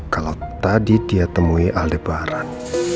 kalau tadi dia temui aldebaran